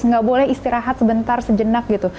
nggak boleh istirahat sebentar sejenak gitu